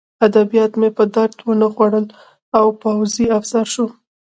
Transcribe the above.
ادبیات مې په درد ونه خوړل او پوځي افسر شوم